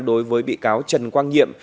đối với bị cáo trần quang nhiệm